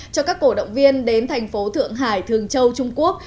cho các cổ động viên đến thành phố thượng hải thường châu trung quốc